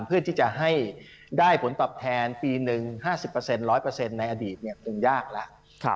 เพื่อที่จะให้ได้ผลปรับแทนปีหนึ่ง๕๐เปอร์เซ็นต์๑๐๐เปอร์เซ็นต์ในอดีตก็ยากแล้ว